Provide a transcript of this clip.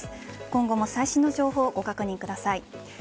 今後も最新の情報をご確認ください。